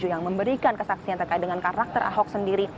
yang memberikan kesaksian terkait dengan karakter ahok sendiri